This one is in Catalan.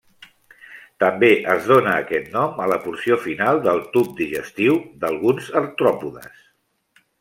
També es dóna aquest nom a la porció final del tub digestiu d'alguns artròpodes.